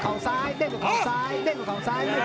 เขาทางซายเด่งเขาซ้าย